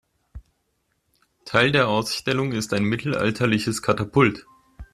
Teil der Ausstellung ist ein mittelalterliches Katapult.